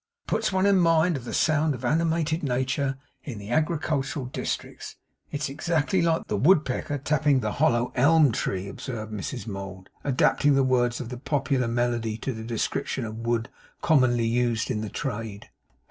'It puts one in mind of the sound of animated nature in the agricultural districts. It's exactly like the woodpecker tapping.' 'The woodpecker tapping the hollow ELM tree,' observed Mrs Mould, adapting the words of the popular melody to the description of wood commonly used in the trade.